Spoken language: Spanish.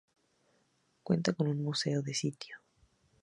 Cuenta con un museo de sitio.